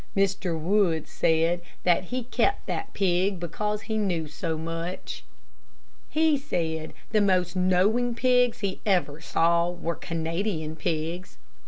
Mr. Wood said that he kept that pig because he knew so much. He said the most knowing pigs he ever saw were Canadian pigs.